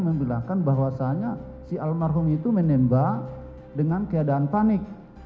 yang mengatakan bahwasanya si almarhum itu menembak dengan keadaan panik